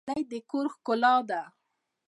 غالۍ د کور ښکلا ده